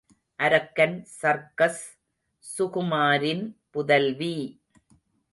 அரக்கன் சர்க்கஸ் சுகுமாரின் புதல்வி!